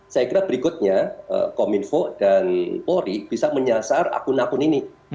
saya kira berikutnya kominfo dan polri bisa menyasar akun akun ini